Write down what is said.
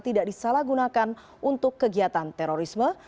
tidak disalahgunakan untuk kegiatan terorisme